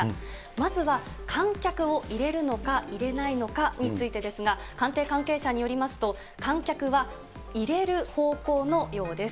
まずは観客を入れるのか入れないのかについてですが、官邸関係者によりますと、観客は入れる方向のようです。